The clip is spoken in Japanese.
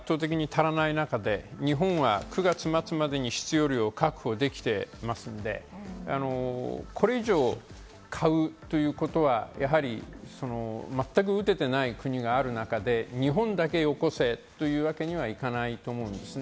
世界中でワクチンが圧倒的に足りない中で、日本は９月末までに日本は必要量を確保できていますから、これ以上買うということは、全く打てていない国がある中で、日本だけよこせというわけにはいかないと思うんですね。